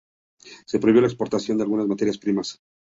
Se prohibió la exportación de algunas materias primas.